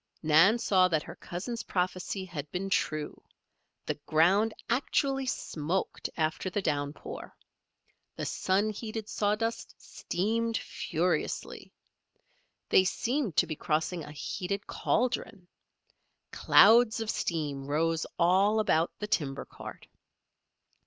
Nan saw that her cousin's prophecy had been true; the ground actually smoked after the downpour. The sun heated sawdust steamed furiously. They seemed to be crossing a heated cauldron. Clouds of steam rose all about the timber cart.